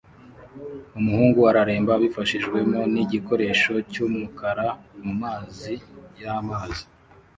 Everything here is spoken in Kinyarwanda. Umuhungu areremba abifashijwemo nigikoresho cyumukara mumazi yamazi